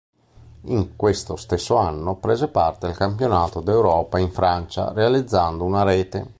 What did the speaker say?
In questo stesso anno prese parte al campionato d'Europa in Francia, realizzando una rete.